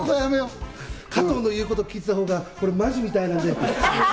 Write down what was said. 加藤の言うこと聞いてた方がマジみたいなんで。